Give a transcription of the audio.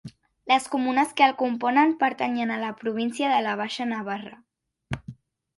Les comunes que el componen pertanyen a la província de la Baixa Navarra.